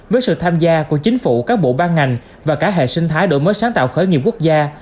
với sự tham gia của chính phủ các bộ ban ngành và cả hệ sinh thái đổi mới sáng tạo khởi nghiệp quốc gia